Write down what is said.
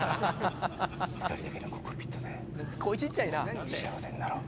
２人だけのコックピットで幸せになろう。